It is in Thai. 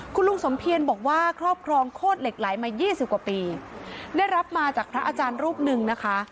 คุณลุงสมเพียรบอกว่าครอบครองโคตรเหล็กไหลมายี่สิบกว่าปีได้รับมาจากพระอาจารย์รูปหนึ่งนะคะ